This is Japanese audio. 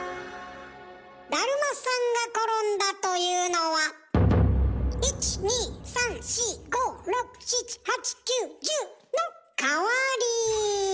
「だるまさんがころんだ」というのは１２３４５６７８９１０！の代わり。